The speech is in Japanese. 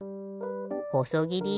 ほそぎり。